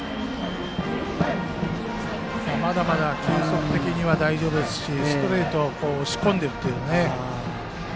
まだまだ球速的には大丈夫ですしストレート押し込んでいるという。